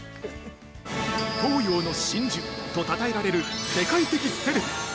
◆東洋の真珠と称えられる世界的セレブ。